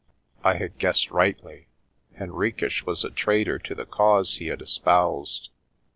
* I had guessed rightly. Henriques was a traitor to the cause he had espoused.